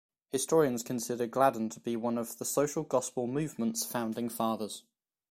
Historians consider Gladden to be one of the Social Gospel Movement's founding fathers.